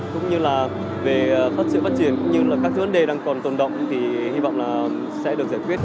cũng như là về xuất sự phát triển cũng như là các vấn đề đang còn tồn động thì hy vọng là sẽ được giải quyết